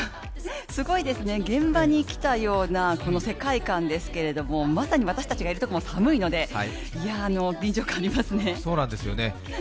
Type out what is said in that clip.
すごいですね、現場に来たような世界観ですけれどもまさに私たちがいるところも寒いので、臨場感ありますね。